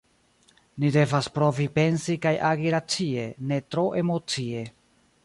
Ni devas provi pensi kaj agi racie, ne tro emocie.